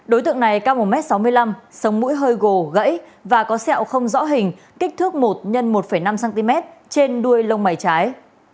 đối tượng này cao một m sáu mươi năm sống mũi hơi gồ gãy và có sẹo không rõ hình kích thước một x một năm cm trên đuôi lông mày trái